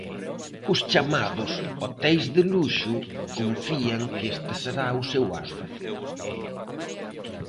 Os chamados hoteis de luxo confían que este será o seu ano.